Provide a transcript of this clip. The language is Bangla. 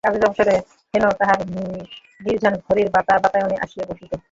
কাজের অবসরে হেম তাহার নির্জন ঘরের বাতায়নে আসিয়া বসিত।